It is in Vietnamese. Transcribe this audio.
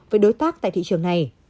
với đối tác tại thị trường này